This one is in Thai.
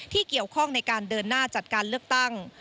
เกี่ยวข้องในการเดินหน้าจัดการเลือกตั้ง